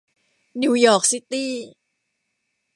นิวยอร์คซิตี้